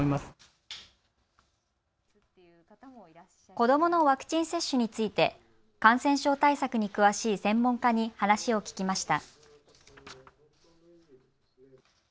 子どものワクチン接種について感染症対策に詳しい専門家に話を聞きました。